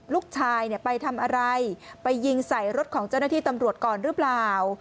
ลูกชายไปทำอะไรไปยิงใส่รถของเจ้าหน้าที่ตำรวจก่อนหรือเปล่า